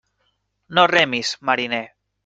No remis, mariner.